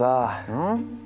うん？